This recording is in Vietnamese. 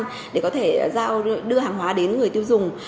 để có thể đưa hàng hóa đến người tiêu dùng